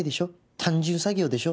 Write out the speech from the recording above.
単純作業でしょ？」